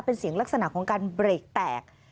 เป็นเสียงลักษณะของการเบรกแตก